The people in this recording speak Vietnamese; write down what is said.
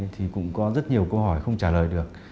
thì cũng có rất nhiều câu hỏi không trả lời được